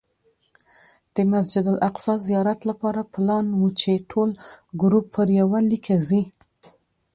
د مسجد الاقصی زیارت لپاره پلان و چې ټول ګروپ پر یوه لیکه ځي.